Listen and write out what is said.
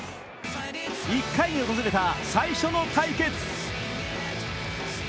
１回で訪れた最初の対決。